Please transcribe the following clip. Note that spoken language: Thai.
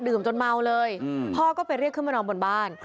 จนเมาเลยพ่อก็ไปเรียกขึ้นมานอนบนบ้าน